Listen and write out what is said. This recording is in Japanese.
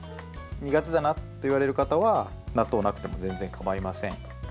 苦手だなといわれる方は納豆なくても全然かまいません。